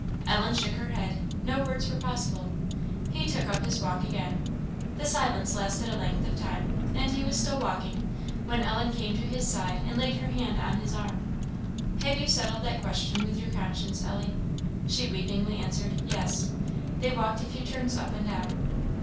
Ellen shook her head; no words were possible. He took up his walk again. The silence lasted a length of time, and he was still walking, when Ellen came to his side and laid her hand on his arm. "Have you settled that question with your conscience, Ellie?" She weepingly answered, "Yes.". They walked a few turns up and down.